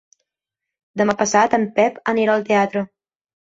Demà passat en Pep anirà al teatre.